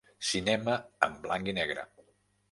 Cinema en blanc i negre.